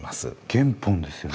原本ですよね？